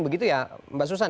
begitu ya mbak susan